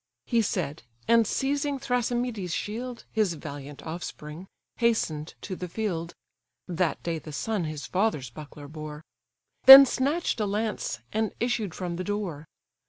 He said: and, seizing Thrasymedes' shield, (His valiant offspring,) hasten'd to the field; (That day the son his father's buckler bore;) Then snatch'd a lance, and issued from the door.